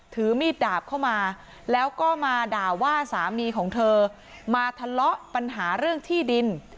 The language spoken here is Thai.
ถือมีดดาบเข้ามาแล้วก็มาด่าว่าสามีของเธอมาทะเลาะปัญหาเรื่องที่ดิน